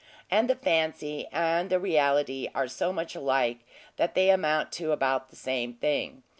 And the fancy and the reality are so much alike, that they amount to about the same thing.